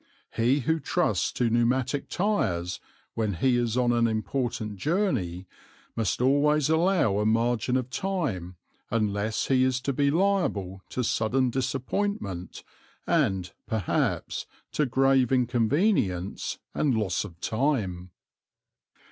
He who trusts to pneumatic tires when he is on an important journey must always allow a margin of time unless he is to be liable to sudden disappointment and, perhaps, to grave inconvenience and loss of time.